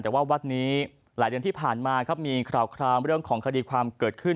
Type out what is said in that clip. แต่ว่าวัดนี้หลายเดือนที่ผ่านมาครับมีข่าวครามเรื่องของคดีความเกิดขึ้น